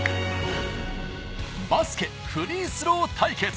バスケフリースロー対決。